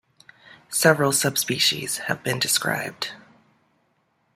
Several subspecies have been described.